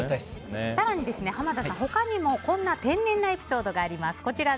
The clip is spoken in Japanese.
更に、濱田さん、他にもこんな天然なエピソードがあります。